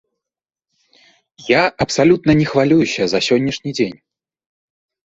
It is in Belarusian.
Я абсалютна не хвалююся за сённяшні дзень.